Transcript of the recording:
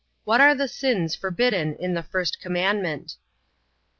What are the sins forbidden in the first commandment?